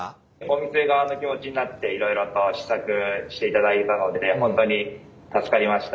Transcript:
お店側の気持ちになっていろいろと試作していただいたので本当に助かりました。